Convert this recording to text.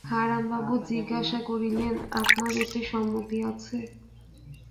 হারানবাবু জিজ্ঞাসা করিলেন, আপনার এতে সম্মতি আছে?